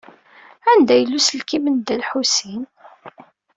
Anda yella uselkim n Dda Lḥusin?